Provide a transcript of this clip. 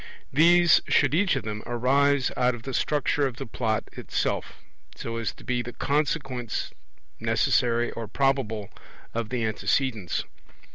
These should each of them arise out of the structure of the Plot itself, so as to be the consequence, necessary or probable, of the antecedents.